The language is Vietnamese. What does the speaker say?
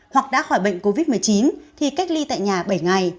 hoặc đã khỏi bệnh covid một mươi chín thì cách ly tại nhà bảy ngày